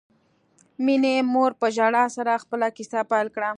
مينې مور په ژړا سره خپله کیسه پیل کړه